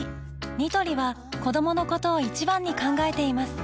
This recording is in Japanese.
ニトリは子どものことを一番に考えています